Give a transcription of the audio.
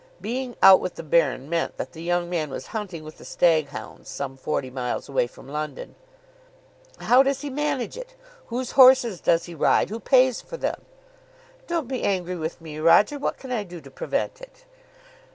Being "out with the Baron" meant that the young man was hunting with the stag hounds some forty miles away from London. "How does he manage it? Whose horses does he ride? Who pays for them?" "Don't be angry with me, Roger. What can I do to prevent it?"